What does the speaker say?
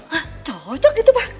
hah cocok itu pa